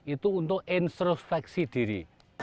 itu untuk introspeksi diri